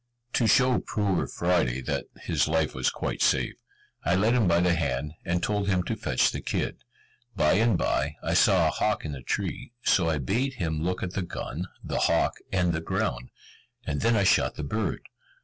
To show poor Friday that his life was quite safe, I led him by the hand, and told him to fetch the kid. By and by, I saw a hawk in a tree, so I bade him look at the gun, the hawk, and the ground; and then I shot the bird.